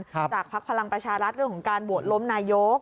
ภักดิ์พลังประชารัฐเรื่องของการโหวตล้มนายก